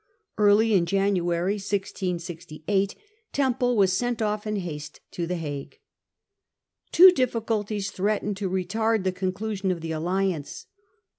Early in January 1668 Temple was sent off in haste to the Hague. Two difficulties threatened to retard the conclusion of the alliance.